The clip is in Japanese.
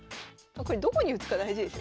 これどこに打つか大事ですよ